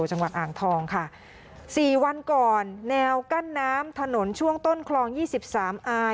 จังหวัดอ่างทองค่ะสี่วันก่อนแนวกั้นน้ำถนนช่วงต้นคลองยี่สิบสามอาย